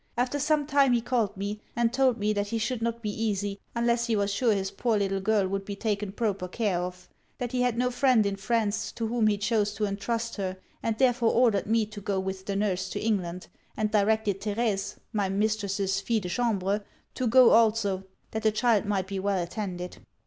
After some time he called me, and told me that he should not be easy, unless he was sure his poor little girl would be taken proper care of; that he had no friend in France to whom he chose to entrust her; and therefore ordered me to go with the nurse to England, and directed Therése, my mistress's fille de chambre, to go also, that the child might be well attended.